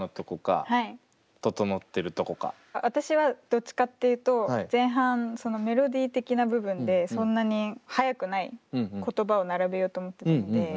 私はどっちかっていうと前半メロディー的な部分でそんなに早くない言葉を並べようと思ってたんで。